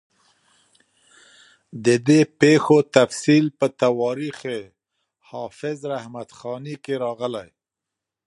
د دې پېښو تفصیل په تواریخ حافظ رحمت خاني کې راغلی.